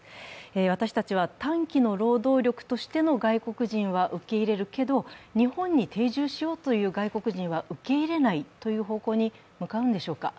私たちは短期の労働力としての外国人は受け入れるけれと、日本に定住しようという外国人は受け入れないという方向に向かうんでしょうか。